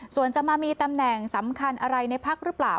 ส่วนจะมามีตำแหน่งสำคัญอะไรในพักหรือเปล่า